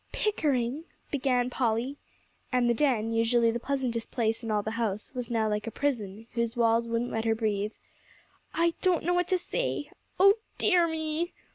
"Pickering," began Polly; and the den, usually the pleasantest place in all the house, was now like a prison, whose walls wouldn't let her breathe, "I don't know what to say. Oh dear me!"